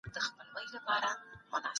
د پوهانو نظریاتو ته درناوی وکړئ.